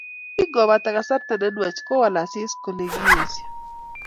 Kingopata Kasarta ne nwach kowol Asisi kole kiesio